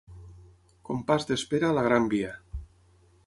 Compàs d’espera a la Gran Via.